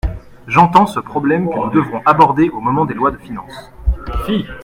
J’entends ce problème que nous devrons aborder au moment des lois de finances.